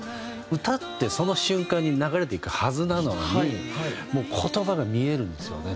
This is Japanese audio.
歌ってその瞬間に流れていくはずなのに言葉が見えるんですよね